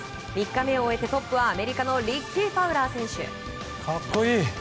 ３日目を終えてトップはアメリカのリッキー・ファウラー選手。